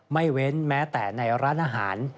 ไม่เว้นแม้แต่ในร้านอาหาร